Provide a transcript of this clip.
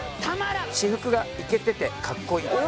「私服がイケてて格好いい」